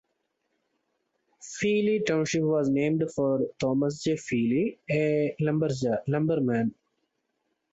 Feeley Township was named for Thomas J. Feeley, a lumberman.